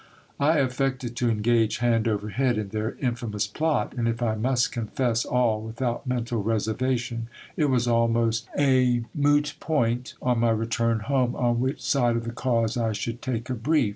I affected to engage hand over head in their inf imous plot ; and if I must confess all without mental reservation, it was almost a noot point, on my return home, on which side of the cause I should take a brief.